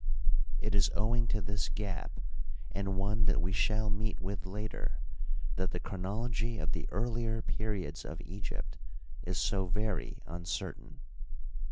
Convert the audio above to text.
It is owing to this gap, and one that we shall meet with later, that the chronology of the earlier periods of Egypt is so very uncertain.